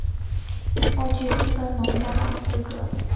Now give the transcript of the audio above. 未具自耕农加保资格